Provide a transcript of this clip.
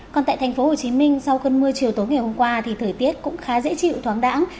còn tại thành phố hồ chí minh sau cơn mưa chiều tối ngày hôm qua thì thời tiết cũng khá dễ chịu thoáng đẳng